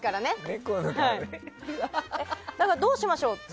どうしましょう。